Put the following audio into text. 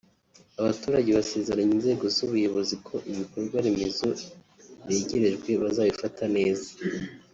Abaturage basezeranya inzego z’ubuyobozi ko ibikorwa remezo begerejwe bazabifata neza